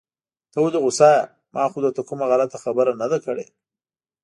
ته ولې غوسه يې؟ ما خو درته کومه غلطه خبره نده کړي.